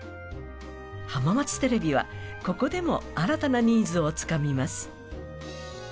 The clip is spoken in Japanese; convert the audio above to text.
浜松テレビは、ここでも新たなニーズをつかみます。